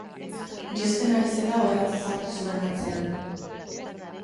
Josten ari zela, orratza sartu zuen hatzean